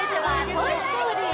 「トイ・ストーリー」